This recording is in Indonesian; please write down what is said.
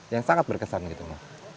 yang sangat berkesan gitu mas